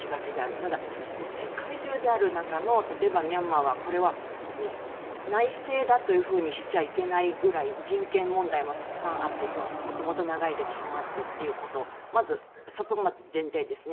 ただ世界中である中の例えばミャンマーはこれは内政だというふうにしちゃいけないぐらい人権問題もたくさんあってもともと長い歴史もあってということまずそこが前提ですね。